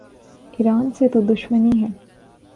ایران سے تو دشمنی ہے۔